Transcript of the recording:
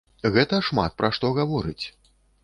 Гэта шмат пра што гаворыць.